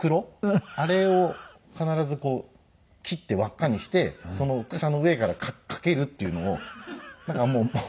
あれを必ずこう切って輪っかにしてその草の上からかけるっていうのをなんかもう。